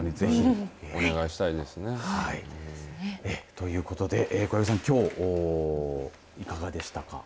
お願いしたいですね。ということで小籔さんきょういかがでしたか。